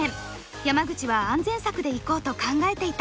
山口は安全策でいこうと考えていた。